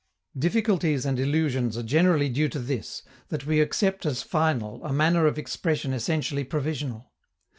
Difficulties and illusions are generally due to this, that we accept as final a manner of expression essentially provisional.